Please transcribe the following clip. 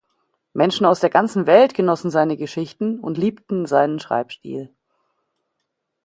Menschen aus der ganzen Welt genossen seine Geschichten und liebten seinen Schreibstil.